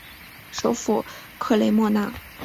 首府克雷莫纳。